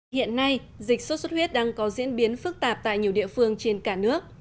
hiện nay dịch sốt xuất huyết đang có diễn biến phức tạp tại nhiều địa phương trên cả nước